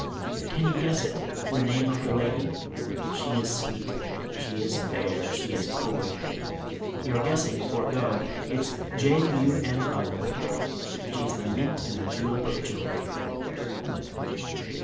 Can you guess it the name of the lady? She is sweet, she is fair, she is coy. Your guessing forego, It's J U N O; She's the mint in the julep of joy."